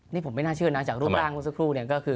นี่ผมไม่น่าเชื่อนะจากรูปร่างคู่สักครู่